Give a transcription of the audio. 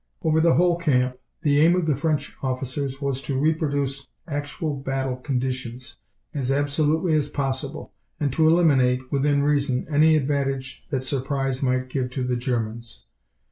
Over the whole camp, the aim of the French officers was to reproduce actual battle conditions as absolutely as possible, and to eliminate, within reason, any advantage that surprise might give to the Germans.